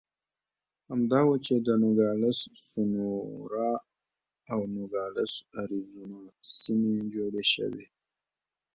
همدا و چې د نوګالس سونورا او نوګالس اریزونا سیمې جوړې شوې.